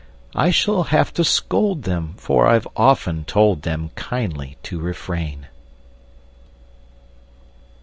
I shall have to scold them, For I've often told them, Kindly, to refrain!